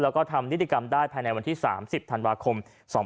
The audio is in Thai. แล้วก็ทำนิติกรรมได้ภายในวันที่๓๐ธันวาคม๒๕๖๒